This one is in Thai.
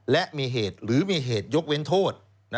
และมีเหตุหรือมีเหตุยกเว้นโทษ